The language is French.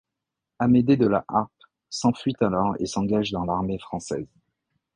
Amédée de la Harpe s'enfuit alors et s'engage dans l'armée française.